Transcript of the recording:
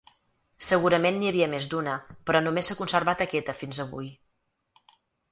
Segurament n'hi havia més d'una, però només s'ha conservat aquesta fins avui.